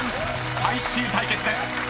［最終対決です］